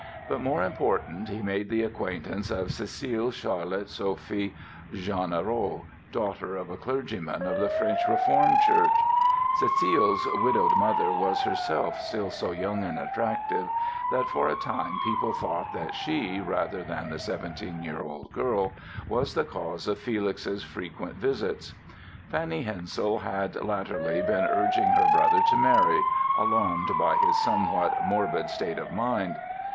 But more important, he made the acquaintance of Cécile Charlotte Sophie Jeanrenaud, daughter of a clergyman of the French Reformed Church. Cécile's widowed mother was herself still so young and attractive that for a time people thought that she, rather than the 17 year old girl, was the cause of Felix's frequent visits. Fanny Hensel had latterly been urging her brother to marry, alarmed by his somewhat morbid state of mind.